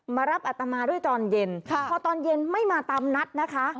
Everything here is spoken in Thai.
มารับอัตมาด้วยตอนเย็นพอตอนเย็นไม่มาตามนัดนะคะ